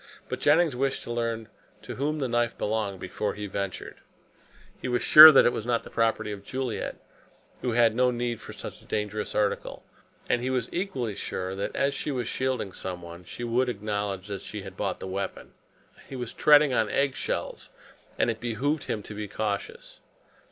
But Jennings wished to learn to whom the knife belonged before he ventured. He was sure that it was not the property of Juliet, who had no need for such a dangerous article, and he was equally sure that as she was shielding someone, she would acknowledge that she had bought the weapon. He was treading on egg shells, and it behooved him to be cautious.